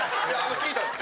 聞いた？